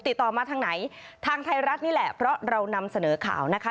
ติดต่อมาทางไหนทางไทยรัฐนี่แหละเพราะเรานำเสนอข่าวนะคะ